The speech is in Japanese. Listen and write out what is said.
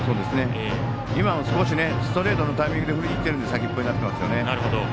少しストレートのタイミングで振りにいっているので先っぽになっていますね。